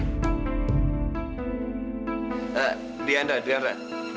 eh riana riana